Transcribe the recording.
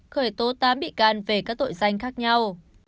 khởi tố tám bị can về các tội danh khác nhau